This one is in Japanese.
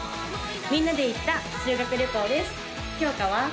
みんなで行った修学旅行ですきょうかは？